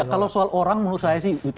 kalau soal orang menurut saya sih